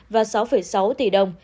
và sáu sáu tỷ đồng